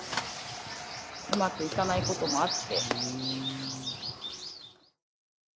うまくいかない事もあって。